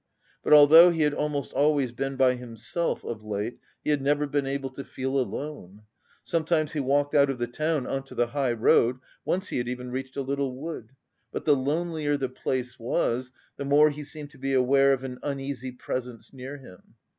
But although he had almost always been by himself of late, he had never been able to feel alone. Sometimes he walked out of the town on to the high road, once he had even reached a little wood, but the lonelier the place was, the more he seemed to be aware of an uneasy presence near him.